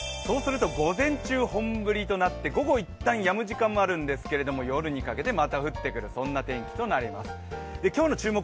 午前中、本降りとなって午後、いったんやむ時間もあるんですけれども夜にかけてまた降ってくる、そんな天気となってきます。